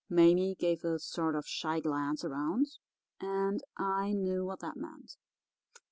"Mame gave a sort of sly glance around, and I knew what that meant.